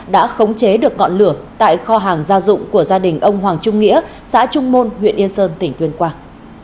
đã khống chế được ngọn lửa tại kho hàng gia dụng của gia đình ông hoàng trung nghĩa xã trung môn huyện yên sơn tỉnh tuyên quang